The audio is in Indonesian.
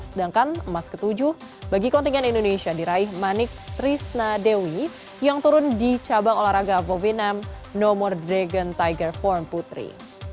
sedangkan emas ketujuh bagi kontingen indonesia diraih manik trisna dewi yang turun di cabang olahraga vovinam nomor dragon tiger form putri